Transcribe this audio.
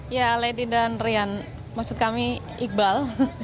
ya lady dan rian maksud kami iqbal